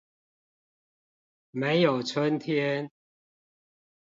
沒有春天